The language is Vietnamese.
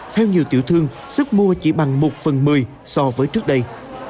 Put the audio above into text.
theo nhiều tiểu thương sức mua chỉ bằng một phần mười so với trước đây